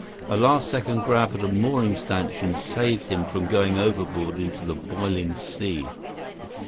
A last second grab at a mooring stanchion saved him from going overboard into the boiling sea.